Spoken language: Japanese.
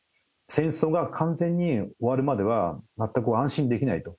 戦争が完全に終わるまでは全く安心できないと。